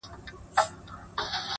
• ه شعر كي دي زمـــا اوربــل دی؛